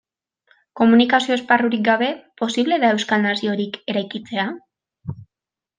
Komunikazio esparrurik gabe, posible da euskal naziorik eraikitzea?